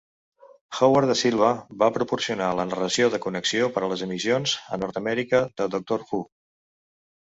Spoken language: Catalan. Howard Da Silva va proporcionar la narració de connexió per a les emissions a Nord-Amèrica de Doctor Who.